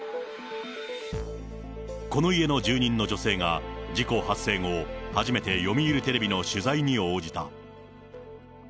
この家の住人の女性が事故発生後、初めて読売テレビの取材に応じた。